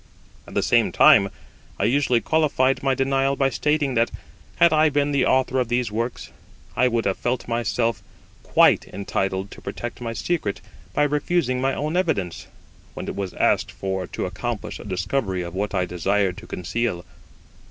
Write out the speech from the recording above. At the same time I usually qualified my denial by stating that, had I been the Author of these works, I would have felt myself quite entitled to protect my secret by refusing my own evidence, when it was asked for to accomplish a discovery of what I desired to conceal.